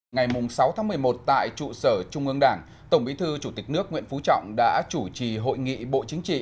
ngày sáu tháng một mươi một tại trụ sở trung ương đảng tổng bí thư chủ tịch nước nguyễn phú trọng đã chủ trì hội nghị bộ chính trị